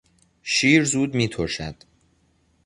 شیر زود میترشد.